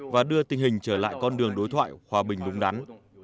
và đưa tình hình trở lại con đường đối thoại hòa bình đúng đắn